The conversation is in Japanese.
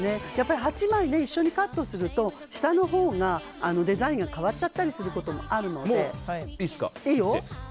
８枚一緒にカットすると下のほうがデザインが変わっちゃったりすることもあるので。